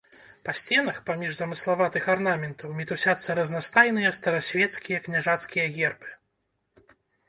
Па сценах, паміж замыславатых арнаментаў, мітусяцца разнастайныя старасвецкія княжацкія гербы.